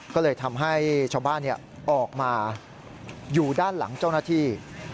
ก็เลยทำให้ชาวบ้านออกมาอยู่ด้านหลังเจ้าหน้าที่